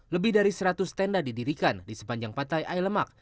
lebih dari seratus tenda didirikan di sepanjang pantai air lemak